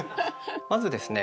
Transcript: まずですね